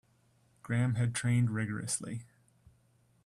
Graham had trained rigourously.